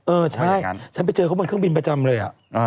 เออใช่ฉันไปเจอเขาบนเครื่องบินประจำเลย